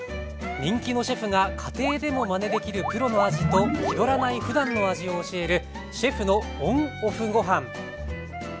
人気のシェフが家庭でもまねできるプロの味と気取らないふだんの味を教える「シェフのＯＮ＆ＯＦＦごはん」。